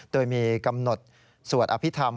โดยมีกำหนดสวดอภิษฐรรม